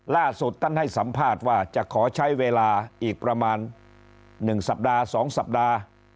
ล่าสุดท่านให้สัมภาษณ์ว่าจะขอใช้เวลาอีกประมาณ๑สัปดาห์๒สัปดาห์